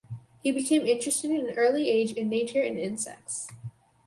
He became interested at an early age in nature and insects.